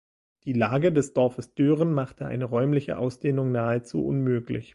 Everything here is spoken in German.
Die Lage des Dorfes Döhren machte eine räumliche Ausdehnung nahezu unmöglich.